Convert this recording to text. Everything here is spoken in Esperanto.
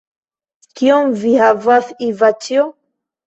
Kion vi havas Ivaĉjo?